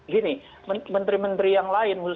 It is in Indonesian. gini menteri menteri yang lain